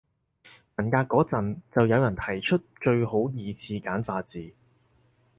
文革嗰陣就有人提出最好二次簡化字